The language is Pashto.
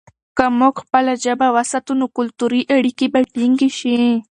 که موږ خپله ژبه وساتو، نو کلتوري اړیکې به ټینګې شي.